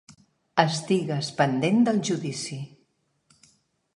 Estigues pendent del judici.